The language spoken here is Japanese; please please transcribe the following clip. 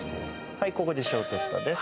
はいここで小テストです。